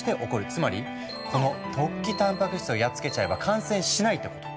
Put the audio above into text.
つまりこの突起たんぱく質をやっつけちゃえば感染しないってこと。